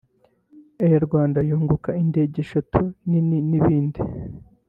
RwandAir yunguka indege eshatu nini n’ibindi